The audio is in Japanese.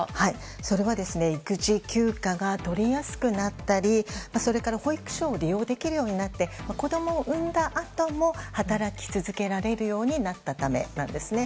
それは育児休暇が取りやすくなったりそれから保育所を利用できるようになって子供を産んだあとも働き続けられるようになったためなんですね。